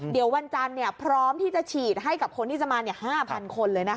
เดี๋ยววันจานพร้อมที่จะชิดให้กับคนที่จะมา๕๐๐๐คนเลยนะคะ